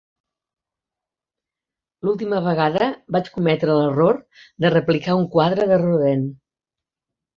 L'última vegada vaig cometre l'error de replicar un quadre de Rodin.